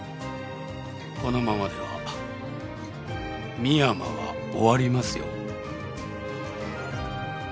このままでは深山は終わりますよ。